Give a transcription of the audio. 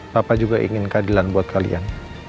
papa juga ingin keadilan buat kalian